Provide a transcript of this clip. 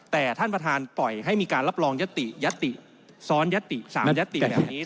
แต่ท่านประธานปล่อยให้มีการรับรองยติยติซ้อนยติ๓ยติแบบนี้